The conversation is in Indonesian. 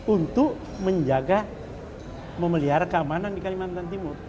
untuk menjaga memelihara keamanan di kalimantan timur